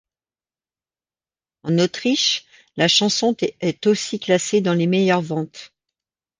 En Autriche, la chanson est aussi classée dans les meilleures ventes.